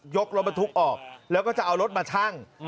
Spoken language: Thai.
รถบรรทุกออกแล้วก็จะเอารถมาชั่ง